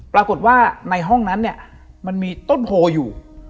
ปรากฏว่าในห้องนั้นเนี่ยมันมีต้นโพอยู่